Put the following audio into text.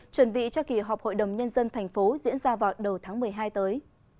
chuẩn bị cho kỳ họp hội đồng nhân dân tp diễn ra vào đầu tháng một mươi hai tới